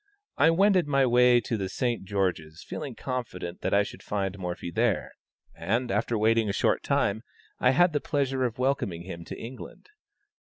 I wended my way to the St. George's, feeling confident that I should find Morphy there, and, after waiting a short time, I had the pleasure of welcoming him to England.